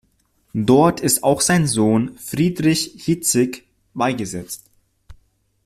Dort ist auch sein Sohn Friedrich Hitzig beigesetzt.